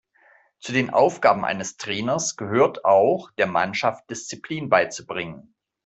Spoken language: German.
Zu den Aufgaben eines Trainers gehört auch, der Mannschaft Disziplin beizubringen.